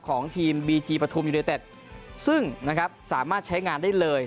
ของทีมบีจีปฐุมยูเนเต็ดซึ่งนะครับสามารถใช้งานได้เลย